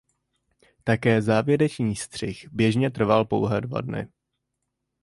Také závěrečný střih běžně trval pouhé dva dny.